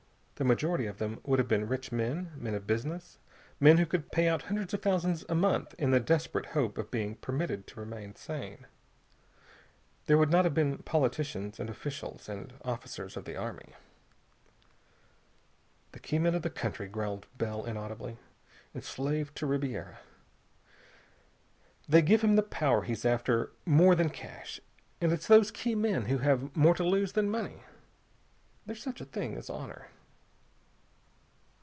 The majority of them would have been rich men, men of business, men who could pay out hundreds of thousands a month in the desperate hope of being permitted to remain sane. There would not have been politicians and officials and officers of the army. "The key men of the country," growled Bell inaudibly, "enslaved to Ribiera. They give him the power he's after more than cash. And it's those key men who have more to lose than money. There's such a thing as honor...."